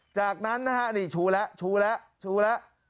จากนั้นนะฮะนี่ชูแล้วชูแล้วชูแล้ว